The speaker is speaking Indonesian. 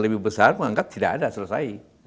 lebih besar mengangkat tidak ada selesai